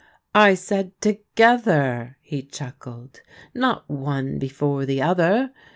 " I said ' together,' " he chuckled ;" not one before the other.